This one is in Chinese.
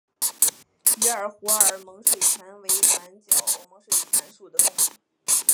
鱼饵湖角猛水蚤为短角猛水蚤科湖角猛水蚤属的动物。